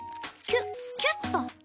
キュッキュッと。